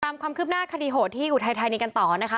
ตามความคืบหน้าคดีโหดที่อุทัยธานีกันต่อนะคะ